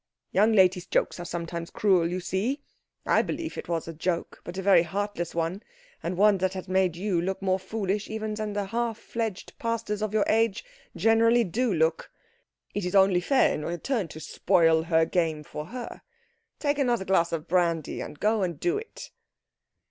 Young ladies' jokes are sometimes cruel, you see. I believe it was a joke, but a very heartless one, and one that has made you look more foolish even than half fledged pastors of your age generally do look. It is only fair in return to spoil her game for her. Take another glass of brandy, and go and do it."